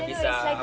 dan dia senyum juga